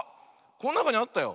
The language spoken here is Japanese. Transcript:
こんなかにあったよ。